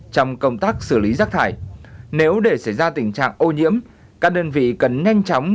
trong công tác xử lý rác thải nếu để xảy ra tình trạng ô nhiễm các đơn vị cần nhanh chóng